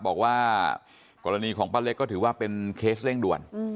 บอกว่ากรณีของป้าเล็กก็ถือว่าเป็นเคสเร่งด่วน